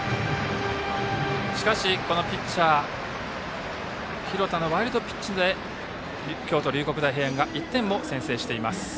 しかしピッチャー廣田のワイルドピッチで京都・龍谷大平安が１点を先制しています。